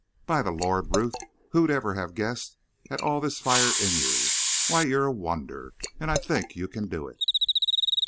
"By the Lord, Ruth, who'd ever have guessed at all this fire in you? Why, you're a wonder. And I think you can do it.